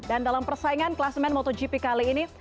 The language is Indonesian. dan dalam persaingan kelas men motogp kali ini